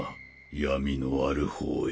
闇のある方へ。